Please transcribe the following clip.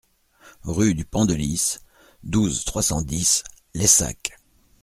Rue du Pendelys, douze, trois cent dix Laissac